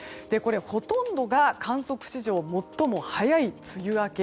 ほとんどが観測史上最も早い梅雨明け。